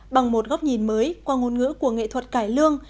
bằng một góc nhìn mới qua ngôn ngữ của nghệ thuật cải lương